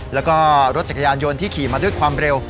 แล้วก็รถจักรยานยนต์ที่ขี่มาด้วยความเร็ว